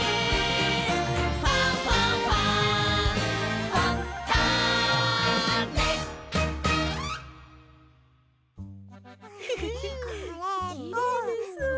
「ファンファンファン」んこれと。